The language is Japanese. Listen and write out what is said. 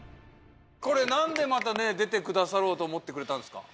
これなんでまたね出てくださろうと思ってくれたんですか？